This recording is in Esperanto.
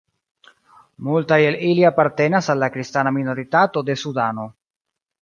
Multaj el ili apartenas al la kristana minoritato de Sudano.